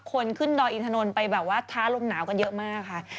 คนขึ้นดอยอินทนนท์ไปแบบว่าท้าลมหนาวกันเยอะมากค่ะ